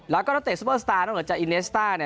แล้วก็นัตเตะซุปเปอร์สตาร์นอกจากอิเนสตาร์